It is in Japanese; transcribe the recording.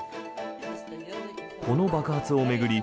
この爆発を巡り